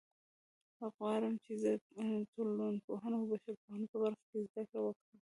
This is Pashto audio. زه غواړم چې د ټولنپوهنې او بشرپوهنې په برخه کې زده کړه وکړم